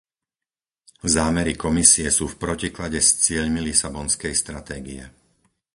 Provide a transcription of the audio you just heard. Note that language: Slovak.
Zámery Komisie sú v protiklade s cieľmi lisabonskej stratégie.